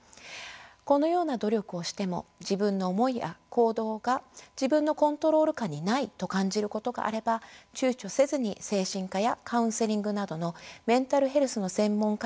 このような努力をしても自分の思いや行動が自分のコントロール下にないと感じることがあればちゅうちょせずに精神科やカウンセリングなどのメンタルヘルスの専門家への受診を考えてほしいと思います。